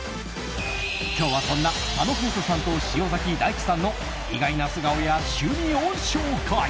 今日は、そんな佐野勇斗さんと塩崎太智さんの意外な素顔や趣味を紹介。